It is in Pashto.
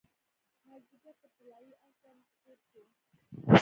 مازدیګر په طلايي اس باندې سپور شو